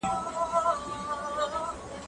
سبزیجات جمع کړه!.